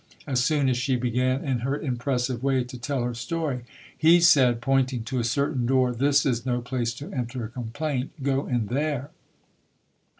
As soon as die began in her impressive way to tell her story, he said, pointing to a certain door. "This is no place to enter a complaint go in there".